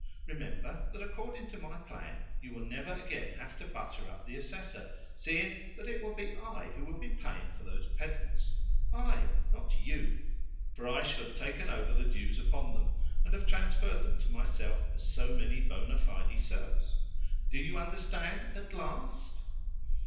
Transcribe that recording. Remember that, according to my plan, you will never again have to butter up the Assessor, seeing that it will be I who will be paying for those peasants I, not YOU, for I shall have taken over the dues upon them, and have transferred them to myself as so many bona fide serfs. Do you understand AT LAST?"